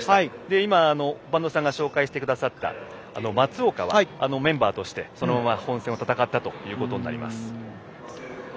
今、播戸さんが紹介してくださった松岡は、メンバーとしてそのまま本戦を戦ったということになります。